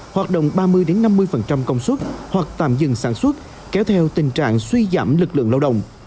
hoạt động ba mươi năm mươi công suất hoặc tạm dừng sản xuất kéo theo tình trạng suy giảm lực lượng lao động